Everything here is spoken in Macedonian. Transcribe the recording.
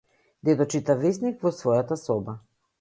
Дедо чита весник во својата соба.